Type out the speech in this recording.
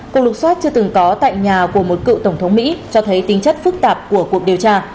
cuộc lục xoát chưa từng có tại nhà của một cựu tổng thống mỹ cho thấy tính chất phức tạp của cuộc điều tra